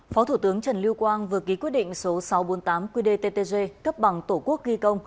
phó thủ tướng trần lưu quang vừa ký quyết định số sáu trăm bốn mươi tám qdttg cấp bằng tổ quốc ghi công